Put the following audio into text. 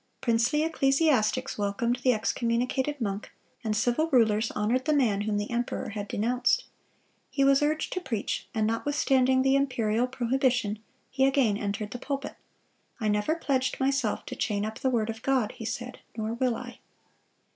Princely ecclesiastics welcomed the excommunicated monk, and civil rulers honored the man whom the emperor had denounced. He was urged to preach, and notwithstanding the imperial prohibition, he again entered the pulpit. "I never pledged myself to chain up the word of God," he said, "nor will I."